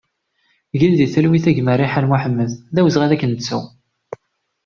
Gen di talwit a gma Riḥan Mohamed, d awezɣi ad k-nettu!